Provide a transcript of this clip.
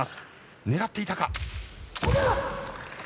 狙っていたか。